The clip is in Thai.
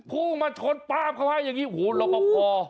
พูงมาชดป้ามเขาให้อย่างนี้โอ้โหรบพอ